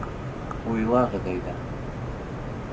Уйлағыҙ әйҙә.